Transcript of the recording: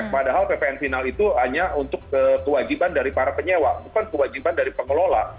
padahal ppn final itu hanya untuk kewajiban dari para penyewa bukan kewajiban dari pengelola